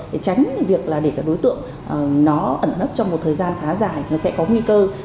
để tránh việc để các đối tượng ẩn ấp trong một thời gian khá dài